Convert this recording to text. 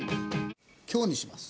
強にします。